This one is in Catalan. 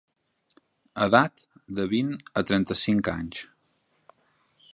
Edat: de vint a trenta-cinc anys.